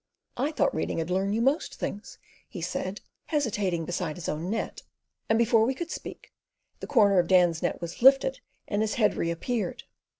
"I thought reading 'ud learn you most things," he said, hesitating beside his own net; and before we could speak, the corner of Dan's net was lifted and his head reappeared.